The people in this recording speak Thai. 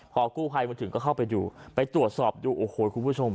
พอกู้ภัยมาถึงก็เข้าไปดูไปตรวจสอบดูโอ้โหคุณผู้ชม